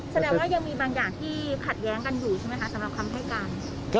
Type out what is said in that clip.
แสดงว่ายังมีบางอย่างที่ขัดแย้งกันอยู่ใช่ไหมครับ